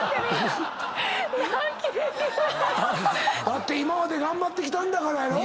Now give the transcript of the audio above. だって今まで頑張ってきたんだからやろ？